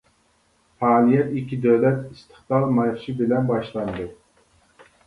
پائالىيەت ئىككى دۆلەت ئىستىقلال مارشى بىلەن باشلاندى.